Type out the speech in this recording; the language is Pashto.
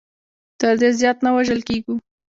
تر دې زیات نه وژل کېږو.